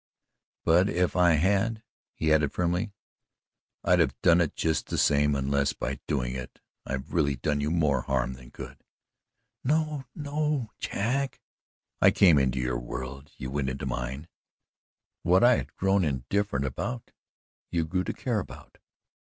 But if I had," he added firmly, "I'd have done it just the same unless by doing it I've really done you more harm than good." "No no Jack!" "I came into your world you went into mine. What I had grown indifferent about you grew to care about.